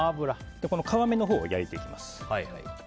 皮目のほうを焼いていきます。